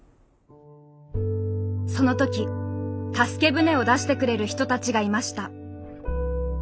その時助け船を出してくれる人たちがいました。